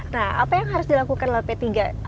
nah apa yang harus dilakukan oleh p tiga